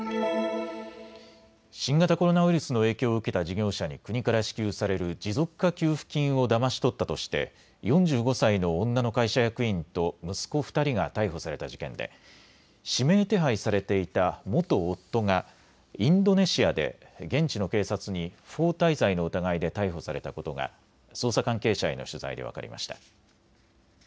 新型コロナウイルスの影響を受けた事業者に国から支給される持続化給付金をだまし取ったとして４５歳の女の会社役員と息子２人が逮捕された事件で指名手配されていた元夫がインドネシアで現地の警察に不法滞在の疑いで逮捕されたことが捜査関係者への取材で分かりました。